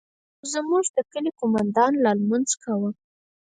خو زموږ د كلي قومندان لا لمونځ كاوه.